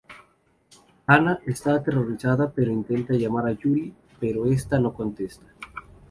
Anna está aterrorizada e intenta llamar a Julie, pero esta no contesta.